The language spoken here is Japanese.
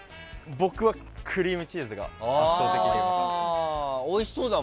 僕は、クリームチーズが圧倒的でした。